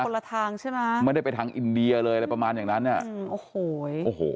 ละทางใช่ไหมไม่ได้ไปทางอินเดียเลยอะไรประมาณอย่างนั้นเนี่ยโอ้โหโอ้โห